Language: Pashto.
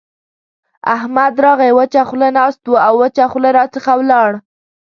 احمد راغی؛ وچه خوله ناست وو او وچه خوله راڅخه ولاړ.